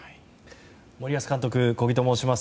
森保監督小木と申します。